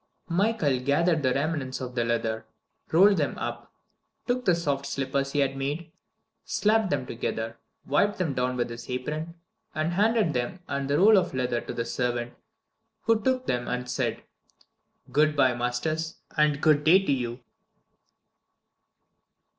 Michael gathered up the remnants of the leather; rolled them up, took the soft slippers he had made, slapped them together, wiped them down with his apron, and handed them and the roll of leather to the servant, who took them and said: "Good bye, masters, and good day to you!"